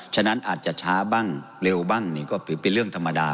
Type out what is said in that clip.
ฉะนั้นอาจจะช้าบ้างเร็วบ้างนี่ก็ถือเป็นเรื่องธรรมดา